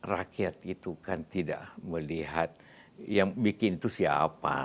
rakyat itu kan tidak melihat yang bikin itu siapa